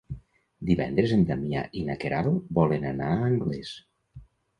Divendres en Damià i na Queralt volen anar a Anglès.